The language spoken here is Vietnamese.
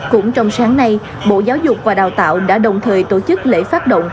cũng trong sáng nay bộ giáo dục và đào tạo đã đồng thời tổ chức lễ phát động